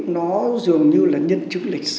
nó dường như là nhân chứng lịch sử